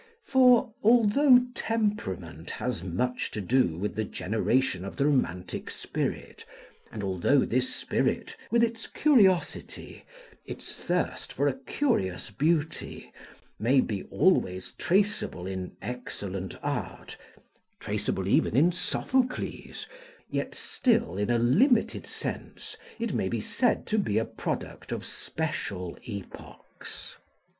For, although temperament has much to do with the generation of the romantic spirit, and although this spirit, with its curiosity, its thirst for a curious beauty, may be always traceable in excellent art (traceable even in Sophocles) yet still, in a limited sense, it may be said to be a product of special epochs.